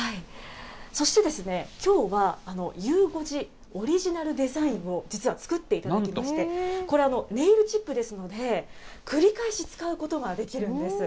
そして、きょうは、ゆう５時オリジナルデザインを実は作っていただきまして、これ、ネイルチップですので、繰り返し使うことができるんです。